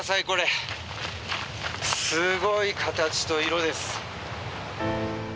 すごい形と色です。